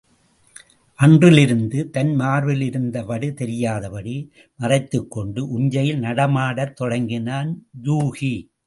அன்றிலிருந்து தன் மார்பிலிருந்த வடு தெரியாதபடி மறைத்துக்கொண்டு உஞ்சையில் நடமாடத் தொடங்கினான் யூகி.